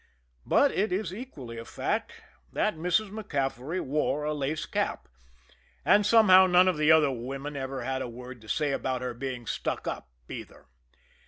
But it is equally a fact that Mrs. MacCaffery wore a lace cap and somehow none of the other women ever had a word to say about her being "stuck up" either.